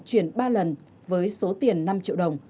chuyển ba lần với số tiền năm triệu đồng